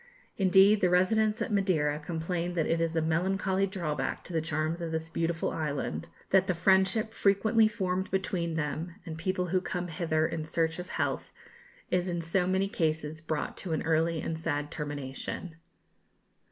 Indeed, the residents at Madeira complain that it is a melancholy drawback to the charms of this beautiful island, that the friendship frequently formed between them and people who come hither in search of health, is in so many cases brought to an early and sad termination.